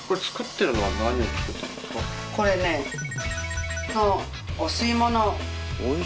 これねのお吸い物。